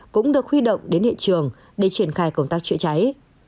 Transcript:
cũng được huy động đến hiện trường để triển khai công tác chữa cháy